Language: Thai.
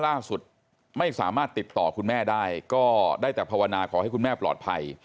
ล่าสุดไม่สามารถติดต่อคุณแม่ได้ก็ได้แต่ภาวนาขอให้คุณแม่ปลอดภัย